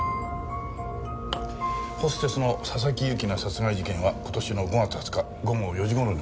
ホステスの佐々木由紀奈殺害事件は今年の５月２０日午後４時頃に起きてます。